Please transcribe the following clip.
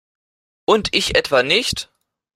Und ich etwa nicht?